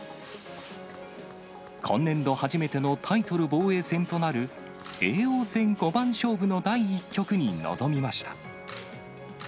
今年度初めてのタイトル防衛戦となる叡王戦五番勝負の第１局に臨みました。